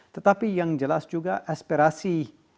tetapi yang jelas juga aspirasi